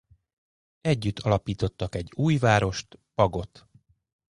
Együtt alapítottak egy új várost Pagot.